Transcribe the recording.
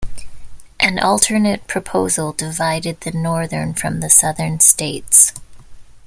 An alternate proposal divided the northern from the southern states.